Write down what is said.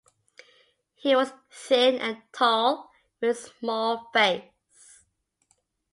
He was thin and tall, with a small face.